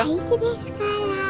hai cik deskara